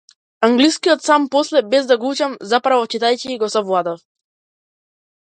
Англискиот сам после, без да го учам, заправо читајќи, го совладував.